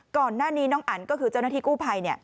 ก่อนหน้านี้น้องอันก็คือเจ้าหน้าที่กู้ภัย